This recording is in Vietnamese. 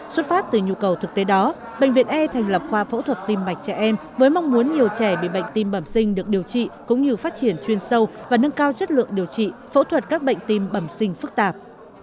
xuất phát từ nhu cầu thực tế đó bệnh viện e thành lập khoa phẫu thuật tim mạch trẻ em với mong muốn nhiều trẻ bị bệnh tim bẩm sinh được điều trị cũng như phát triển chuyên sâu và nâng cao chất lượng điều trị phẫu thuật các bệnh tim bẩm sinh phức tạp